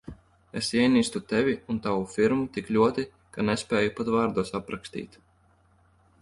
Es ienīstu Tevi un tavu firmu tik ļoti, ka nespēju pat vārdos aprakstīt.